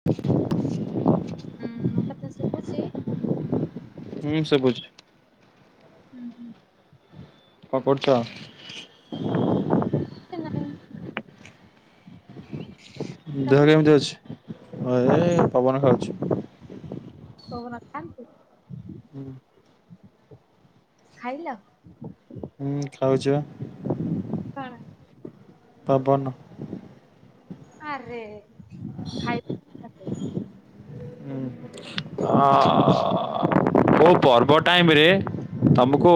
[inaudible] ହୁଁ ମୋ କଥା ଶୁଭୁଛି? ହୁଁ ଶୁଭୁଛି। [inaudible] କଣ କରୁଛ? [unintelligible] ଦେହ କେମିତି ଅଛି। ଏ ପବନ ଖାଉଛି। ପବନ ଖାଆନ୍ତି କି? [inaudible] ଖାଇଲ? ହୁଁ ଖାଉଛିପା। ହଁ [unintelligible] ପବନ। ଆରେ ଖାଇ ହଁ ଓଉ ପର୍ବ ଟାଇମରେ ତମକୁ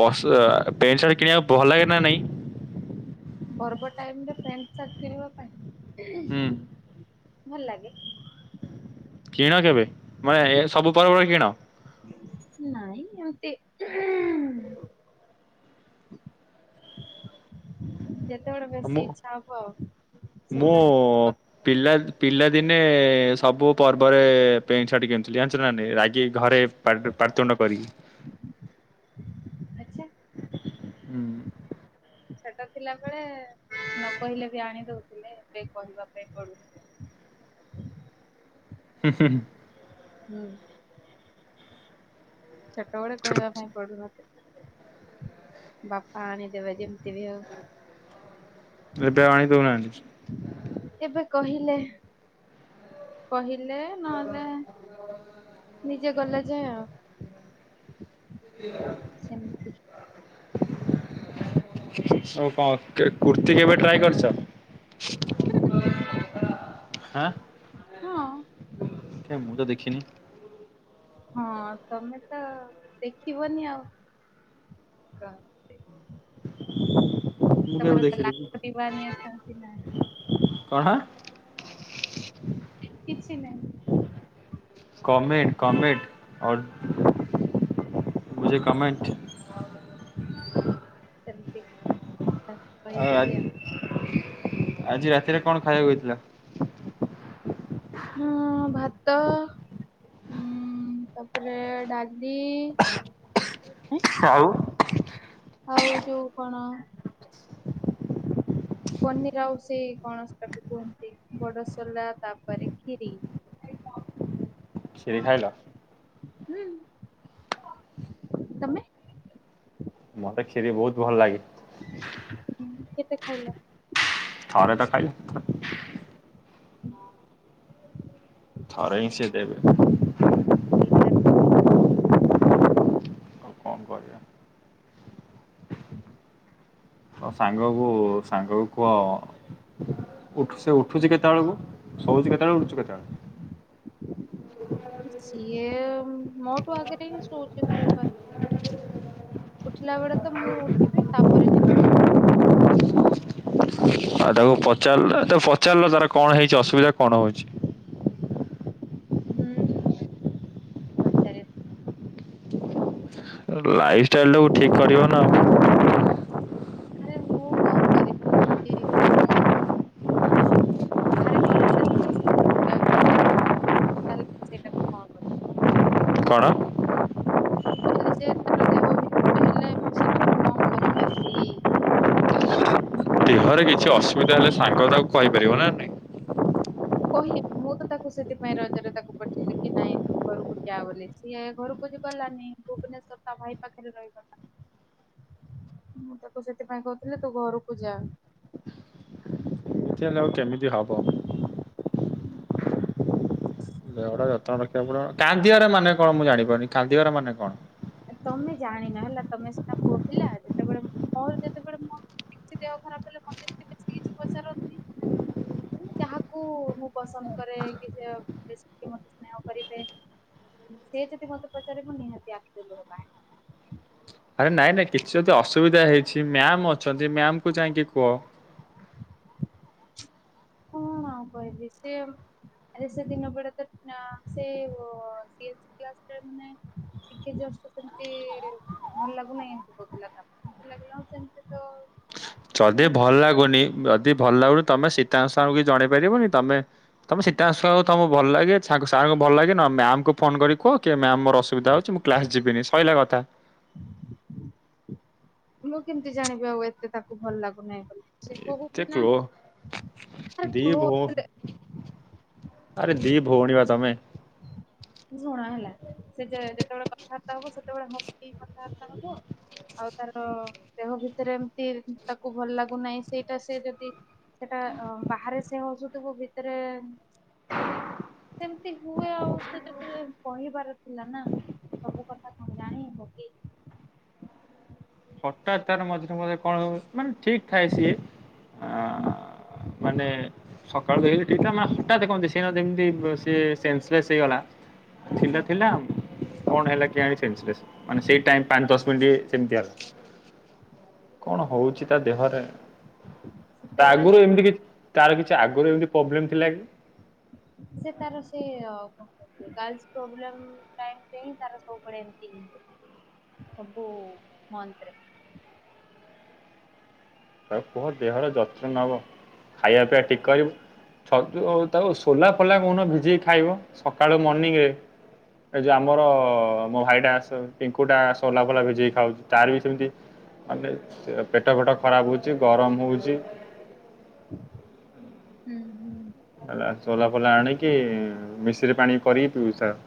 ପଶ ପ୍ୟାଣ୍ଟ ସାର୍ଟ କିଣିବାକୁ ଭଲ ଲାଗେ ନା ନାହିଁ? ପର୍ବ ଟାଇମରେ ପ୍ୟାଣ୍ଟ ସାର୍ଟ କିଣିବା ପାଇଁ, ହୁଁ [unintelligible] ଭଲ ଲାଗେ। କିଣ କେବେ ମାନେ ଏ ସବୁ ପର୍ବରେ କିଣ। ନାଇଁ ଏମତି [unintelligible] [inaudible] ଯେତେବେଳେ ବେଶୀ ଇଚ୍ଛା ହବ ଆଉ ସେତେ ପ ପ ପିଲା ପିଲାଦିନେ ସବୁ ପର୍ବରେ ପ୍ୟାଣ୍ଟ ସାର୍ଟ କିଣିୁଥିଲି, ଜାଣିଛୁ ନା ନାହିଁ, ରାଗିକି ଘରେ ପା ପାଟି ତୁଣ୍ଡ କରିକି। ଆଚ୍ଛା। ହୁଁ। ସେଟା ଥିଲାବେଳେ ନ କହିଲେ ବି ଆଣି ଦଉଥିଲେ, ଏବେ କହିବା ପାଇଁ ପଡୁ ହୁଁ ହୁଁଁ ହୁଁ ଛୋଟବେଳେ ଛୋଟ କହିବା ପାଇଁ ପଡୁନ ବାପା ଆଣି ଦେବେ ଯେମତି ବି ହଉ ଏବେ ଆଉ ଆଣି ଦଉନାହାନ୍ତି? ଏବେ କହିଲେ କହିଲେ ନହେଲେ ନିଜେ ଗଲେ ଯା ଆଉ। [inaudible] ସେମିତି ହଉ କଣ କୁର୍ତ୍ତି କେବେ ଟ୍ରାଏ କରିଛ? ଆଁ ହଁ ମୁଁ ତ ଦେଖିନି। ହଁ ତମେ ତ ଦେଖିବନି ଆଉ, କଣ ମୁଁ କେବେ ତର ତ ଦେଖିନି ଲା କି? ଦିବ ନିଆସ ନା [inaudible] କଣ? କିଛି ନାହିଁ। କମଣ୍ଟ କମେଣ୍ଟ ଅଲ ମୁଝେ କମେଣ୍ଟ। ସନ୍ତି। ଆଉ ଆ ଆଜି ରାତିରେ କଣ ଖାଇବାକୁ ହେଇଥିଲା? ହୁଁ ଭାତ ହୁଁ ତାପରେ ଡାଲି ଆଉ। ଆଉ ଯୋଉ କଣ ପନିର ଆଉ ସେ କଣ ସେଟାକୁ କୁହନ୍ତି, ବଡସୋଲା ତାପରେ କ୍ଷୀରି। କ୍ଷୀରି ଖାଇଲ? ହୁଁ ତମେ? ମୋତେ କ୍ଷୀରୀ ବହୁତ ଭଲ ଲାଗେ। କେତେ ଖାଇଲ? ଥରେ ତ ଖାଇଲି। ହୁଁ ଥରେ ହିଁ ସେ ଦେବେ। [inaudible] [unintelligible] ହୁ [unintelligible] ତମ ସାଙ୍ଗକୁ ସାଙ୍ଗକୁ କୁହ? ଉଠୁ ସେ ଉଠୁଚି କେତେବେଳକୁ ଶୋଉଚି କେତେବେଳକୁ ଉଠୁଚି କେତେବେଳକୁ। ସିଏ ମୋଠୁ ଆଗରେ ହିଁ ଶୋଉଛି ଶୋଇବାରେ। ଉଠିଲା ବେଳେ ତ ମୁଁ ଉଠିବି ତାପରେ ଯାଇଁ [inaudible] ଆଉ ତାକୁ ପଚାରିଲ ତ ପଚାରିଲ ତାର କଣ ହେଇଛି ଅସୁବିଧା କଣ ହଉଚି। ହୁଁ ହୁଁ ପଚାରିବି। ଲାଇଫ୍ ଷ୍ଟାଇଲଟାକୁ ଠିକ୍ କରିବ ନା ଆଉ। ଆରେ ମୁଁ କଣ କରିବି। ସିଏ ମୋ ଆଉ ବାହାରେ କଣ [inaudible] ତାହେଲେ ସେଇଟା ମୁଁ କଣ କରିବି। କଣ? ମୁଁ କହିଲି ଯେ ତାର ଦେହ ଭିତରେ ହେଲେ ମୁଁ ସେଟାକୁ କଣ କରିପାରିବି। ଦେହରେ କିଛି ଅସୁବିଧା ହେଲେ ସାଙ୍ଗ ତାକୁ କହିପାରିବ ନା ନାଇଁ। କହିବି ମୁଁ ତ ତାକୁ ସେଥିପାଇଁ ରଜରେ ତାକୁ ପଠେଇଲି କି ନାଇଁ ତୁ ଘରକୁ ଯା ବୋଲି। ସିଏ ଘରକୁ ବି ଗଲାନି ଭୁବନେଶ୍ଵର ତା ଭାଇ ପାଖରେ ରହିଗଲା। [inaudible] ମୁଁ ତାକୁ ସେଥିପାଇଁ କହୁଥିଲି ତୁ ଘରକୁ ଯା। ଲୁଚେଇଲେ ଆଉ କେମିତି ହବ। ଦେହଟା ଯତ୍ନ ରଖିବାକୁ ପଡିବ ନା କାନ୍ଦିବାର ମାନେ କଣ ମୁଁ ଜାଣିପାରୁନି। କାନ୍ଦିବାର ମାନେ କଣ? ତମେ ଜାଣିନ ହେଲା ତମେ ସିନା ପୁଅ ପିଲା। ଯେତେବେଳେ ମୋର ଯେତେବେଳେ ମୋ କିଛି ଦେହ ଖରାପ ହେଲେ ମତେ ଟିକେ ବେଶୀ କିଛି ପଚାରନ୍ତି। ମାନେ ଯାହାକୁ ମୁଁ ପସନ୍ଦ କରେ କି ସେ ମତେ ସ୍ନେହ କରିବେ। ସେ ଯଦି ମତେ ପଚାରିବ ନିହାତି ଆଖିରୁ ଲୁହ ବାହାରିବ। ଆରେ ନାଇଁ ନାଇଁ କିଛି ଯଦି ଅସୁବିଧା ହେଇଛି ମ୍ୟାମ୍ ଅଛନ୍ତି ମ୍ୟାମ୍ ଯାଇଁକି କୁହ। କଣ ଆଉ କହିବି। ସିଏ ଆରେ ସେ ଦିନ ବେଳେ ତ ନା ସିଏ ଓ କ୍ଲାସ୍ ରେ ମାନେ ଟିକେ ଜଷ୍ଟ ସେମତି ଭଲ ଲାଗୁନାହିଁ ଏମିତି କହୁଥିଲା ତାପରେ। ମୋତେ ଲାଗିଲା ହଁ ସେମିତି ତ ଯଦି ଭଲ ଲାଗୁନି, ଯଦି ଭଲ ଲାଗୁନି, ତମେ ସୀତାରାମ ସାରଙ୍କୁ ଜଣେଇ ପାରିବନି ତମେ ତମେ ସିତା [unintelligible] ତମ ଭଲ ଲାଗେ ସାର୍ ଭଲ ଲାଗେ ନହେଲେ ମ୍ୟାମ ଙ୍କୁ ଫୋନ କରି କୁହ କି ମ୍ୟାମ୍ ମୋର ଅସୁବିଧା ହେଉଛି ମୁଁ କ୍ଲାସ୍ ଯିବିନି ସଇଲା କଥା। ମୁଁ କେମିତି ଜାଣିବି ଆଉ ଏତେ ତାକୁ ଭଲ ଲାଗୁନାହିଁ ବୋଲି। ସେ ଏତେ କହୁବି କ୍ଲୋ ଦି ନାଇଁ। ଭଉ ଆରେ ଦି ଭଉଣି ବା ତମେ। ଶୁଣ ହେଲା- ସେ ଯେତେବେଳେ କଥାବାର୍ତ୍ତା ହବ ସେତେବେଳେ ହସି କି କଥାବାର୍ତ୍ତା ହବ। ଆଉ ତାର ଦେହ ଭିତରେ ଏମିତି ତାକୁ ଭଲ ଲାଗୁନାଇଁ ସେଇଟା ସେ ଯଦି ସେଟା ବାହାରେ ସେ ହସୁଥିବ ଭିତେରେ ସେମିତି ହୁଏ ଆଉ ସେ ଯଦି କହିବାର ଥିଲା ନା। ସବୁ କଥା କଣ ଜାଣି ହବକି। ହଠାତ୍ ତାର ମଝିରେ ମଝିରେ କଣ ହୋଉ ମାନେ ଠିକ ଥାଏ ସିଏ। ଆଁ ମାନେ ସକାଳୁ [unintelligible] ସେଦିନ ଯେମିତି ସିଏ ହେଇଗଲା। ଥିଲା ଥିଲା କଣ ହେଲା କେଆଣି ସେନ୍ସଲେସ୍ ମାନେ ସେଇ ଟାଇମ୍ ପାନ୍ ଦଶ ମିନିଟ୍ ସେମିତିଆ କଣ ହୋଉଚି ତା ଦେହରେ। ତା ସେତେବେଳେ ଆଗୁରୁ ଏମତି କି ତାର କିଛି ଆଗୁରୁ ଏମିତି ପ୍ରୋବ୍ଲେମ ଥିଲା କି? ସେ ତାର ସେ କଣ [unintelligible] ଗାର୍ଲ୍ସ ପ୍ରୋବ୍ଲମ୍ ଟାଇମ୍ ରେ ହିଁ ତାର ସବୁ ବେଳେ ଏମିତି ହିଁ ହୁଏ। ହୋବୁ ମନ୍ତ୍ରି। ତାକୁ କୁହ ଦେହର ଯତ୍ନ ନବ ଖାଇବା ପିଇବା ଠିକ୍ କରିବୁ। ଛତୁ ତାକୁ ସୋଲା ଫୋଲା କୋହୁନ ଭିଜେଇ ଖାଇବ ସକାଳୁ ମର୍ଣ୍ଣିିଂରେ। ଏ ଯୋଉ ଆମର ମୋ ଭାଇଟା ଆସ ପିଙ୍କୁଟା ସୋଲା ଫୋଲା ଭିଜେଇକି ଖାଉଚି ତାର ବି ସେମିତି [unintelligible] ପେଟ ଫେଟ ଖରାପ ହୋଉଚୀ ଗରମ ହୋଉଚି। ହୁଁ ହୁଁ। ହେଲା ସୋଲାଫୋଲା ଆଣିକି ମିଶିରି ପାଣି କରିକି ପିଉଚି ତାର।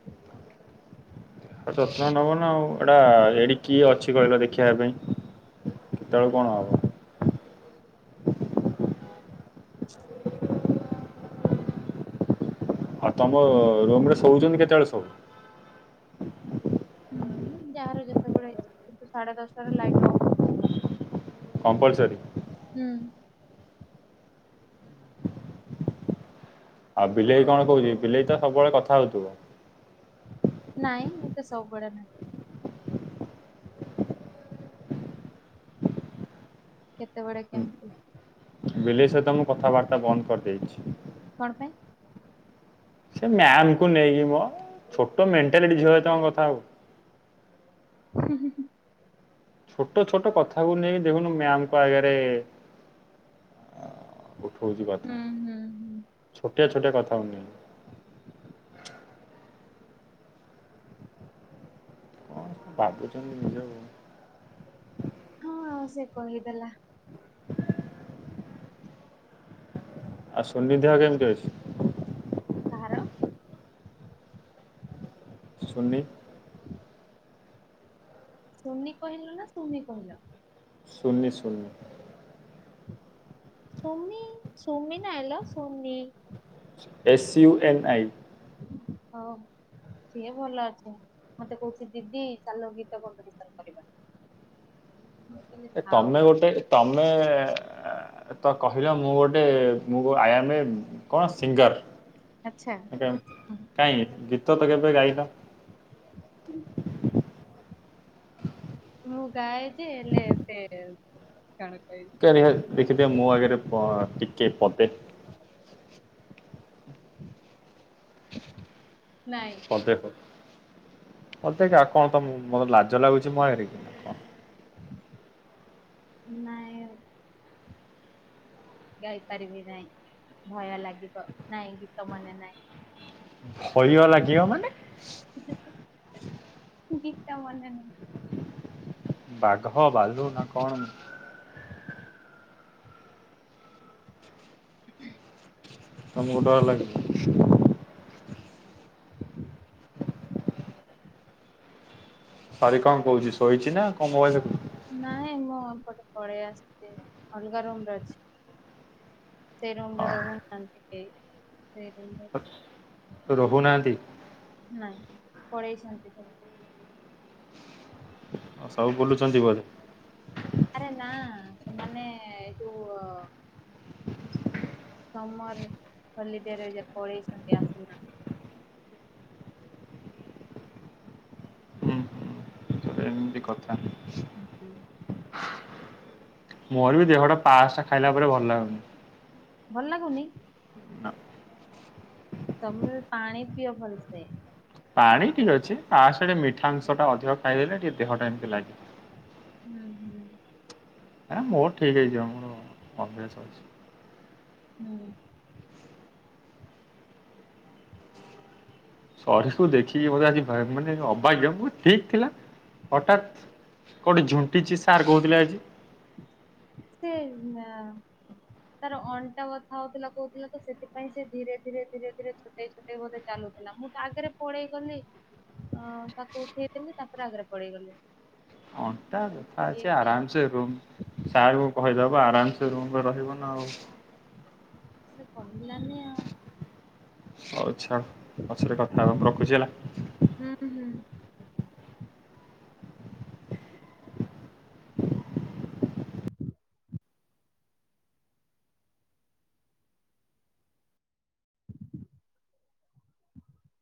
[inaudible] ଆ ଯତ୍ନ ନବନା ଆଉ ଏଟା ଏଠି କିଏ ଅଛି କହିଲ ଦେଖିବା ପାଇଁ? କେତେବଳେ କଣ ହବ। ଆଉ ତମ ରୁମ ରେ ଶୋଉଚନ୍ତି କେତେବେଳେ ଶବୁ? ହୁଁ ଯାହାର ଯେତେବେଳେଇଚ୍ଛା କିନ୍ତୁ ସାଢେ ଦଶଟାରେ ଲାଇଟ୍ ଅଫ୍ ହବ। କମ୍ପଲସରି? ହୁଁ। ଆଉ ବିଲେଇ କଣ କୋହୁଚି ବିଲେଇ ତ ସବୁବେଳେ କଥା ହୋଉଥୁବ। ନାଇଁ ଏତେ ସବୁବେଳେ ନାଇଁ। କେତେବେଡେ କେମିତି। ବିଲେଇ ସହିତ ମୁଁ କଥାବାର୍ତ୍ତା ବନ୍ଦ କରିଦେଇଛି। କଣ ପାଇଁ? ସେ ମ୍ୟାାମ କୁ ନେଇକି ମ ଛୋଟ ମେଣ୍ଟାଲିଟି ଝିଅ ସହିତ କଣ କଥା ହୋବୁ। ହୁଁ ହୁଁ ହୁଁ ଛୋଟୋ ଛୋଟୋ କଥାକୁ ନେଇକି ଦେଖୁନୁ ମ୍ୟାମ ଙ୍କ ଆଗେରେ ଉଠୋଉଚି କଥା ହୁଁ ହୁଁ ହୁଁ। ଛୋଟିଆ ଛୋଟିଆ କଥା କୁ ନେଇନି। କଣ ଭାବୁଚନ୍ତି ନିଜକୁ। ହଁ ସେ କହିଦେଲା। [inaudible] ଆଉ ସୁନି ଦେହ କେମିତି ଅଛି। କାହାର। ସୁନି। [inaudible] ସୁନି କହିଲ ନା ସୁମି କହିଲ। ସୁନି ସୁନି। ସୁମି ସୁମି ନା ଆଲା ସୁନି ଏସ୍ ୟୁ ଏନ୍ ଆଇ। ହଁ। ସିଏ ଭଲ ଅଛି, ମତେ କହୁଛି ଦିଦି ଚାଲ ଗୀତ କମ୍ପିଟିସନ କରିବା। ମୁଁ କହିଲି ଏ ତମେ ଥାଉ। ଗୋଟେ ତମେ ତ କହିଲ ମୁଁ ଗୋଟେ ମୁଁ ଆଇ ଆମ କଣ ସିଙ୍ଗର। ଆଚ୍ଛା। କେମ କାଇଁ ଗୀତ ତ କେବେ ଗାଇନ। ମୁଁ ଗାଏ ଯେ ଏଲେ ଏବେ ଜଣ କହିବି। [unintelligible] ଦେଖିଥିବେ ମୋ ଆଗରେ ପ ଟିକେ ପଦେ ନାଇଁ। ଅ ଦେଖ ଅ ଦେଖ ଆଉ କଣ ତ ମୁ ମୋତେ ଲାଜ ଲାଗୁଛି ମୁଁ ଆଗରେ କି? କଣ ନାଇଁ। ଗାଇ ପାରିବି ନାହିଁ ଭୟ ଲାଗିବ ନାଇଁ ଗୀତ ମନେ ନାହିଁ। ଭୟ ଲାଗିିବ ମାନେ [unintelligible] ଗୀତ ମନେ ନାହିଁ। ବାଘ, ବାଲୁ ନା କଣ? [inaudible] ତମକୁ ଡର ଲାଗିବ? [inaudible] ସରି କଣ କହୁଛି ଶୋଇଛି ନା ହଁ ମୋବାଇଲ ଦେଖୁଥିଲି। ନାଇଁ ମୁଁ ଅ ପଟେ ପଳେଇ ଆସିଛି ଅଲଗା ରୁମରେ ଅଛି। ସେଇ ରୁମ ରେ ରହେ ମୁଁ [unintelligible] ସେଇ ରୁମରେ ଅଛି। ତ ରହୁନାହାନ୍ତି? ନାଇଁ ପଳେଇଛନ୍ତି ସବୁ। ହଁ ସବୁ ବୁଲୁଛନ୍ତି ବୋଧେ। ଆରେ ନା ସେମାନେ ଏଇଠୁଅ ସମର ହଲିଡେରେ ଯେ ପଳେଇଛନ୍ତି ଆସିନା ହୁଁ ହୁଁ ଏମିତି କଥା [inaudible] ମୋର ବି ଦେହଟା ପାଷ୍ଟ ଖାଇଲା ପରେ ଭଲ ଲାଗୁନି। ଭଲ ଲାଗୁନି? ସବୁବେଳେ ପାଣି ପିଅ ଫଲ ସେ। ପାଣି ଟିକେ ଅଛି ପାସ ରେ ମିଠାଂଶ ଟା ଅଧିକ ଖାଇଦେଲେ ଟିକେ ଦେହଟା ଏମିତି ଲାଗେ। ହୁଁ ହୁଁ। ଆ ମୋର ଠିକ୍ ହେଇଯିବ ମୋର ଅଭ୍ୟାସ ଅଛି। ହୁଁ। ସରୀକୁୁ ଦେଖିକି ବୋଧେ ଆଜି ଭା ମାନେ ଅବାଗ୍ୟ ବ ଠିକ ଥିଲା ହଠତ୍ କେଉଁଟେ ଝୁଣ୍ଟିଛି ସାର୍ କହୁଥିଲେ ଆଜି। ସେ ନା ତାର ଅଣ୍ଟା ବଥା ହଉଥିଲା କହୁଥିଲା ତ ସେଥିପାଇଁ ସେ ଧୀରେ ଧୀରେ ଧୀରେ ଧୀରେ ଛୋଟେଇ ଟେଇ ବୋଧେ ଚାଲୁଥିଲା ମୁଁ ତା ଆଗରେ ପଳେଇଗଲି। ଅ ତାକୁ ଉଠେଇଦେଲି ତାପରେ ଆଗରେ ପଳେଇଗଲି। ଦେଖା ଅଛି ଆରାମସ ରୁ ସାର୍ ଭୈରବ ଆରାମସ ରୁମରେ ରହିବ ନା ଆଉ। ସେ କହିଲାନି ଆଉ। ହଉ ଛାଡ଼୍ ପଛରେ କଥା ହବା ମୁଁ ରଖୁଛି ହେଲା। ହୁଁ-ହୁଁ [inaudible]